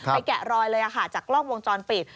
แกะรอยเลยจากกล้องวงจรปิด